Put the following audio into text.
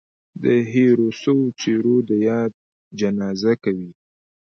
د هېرو سوو څهرو د ياد جنازې کوي